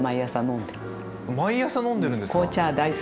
毎朝飲んでるんですか？